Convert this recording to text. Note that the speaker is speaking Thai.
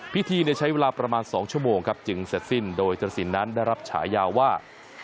พิธีใช้เวลาประมาณ๒ชั่วโมงครับจึงเสร็จสิ้นโดยเจ้าสินนั้นได้รับฉายาว่า